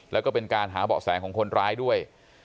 แล้วก็เป็นการหาเบาะแสของคนร้ายด้วย